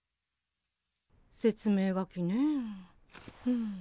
説明書きねえうん。